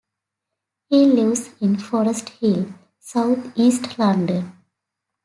He lives in Forest Hill, south east London.